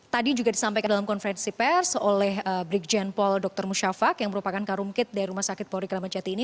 tadi juga disampaikan dalam konferensi pers oleh brigjen paul dr musyafak yang merupakan karumkit dari rumah sakit polri kramat jati ini